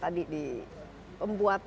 tidak ada bangunan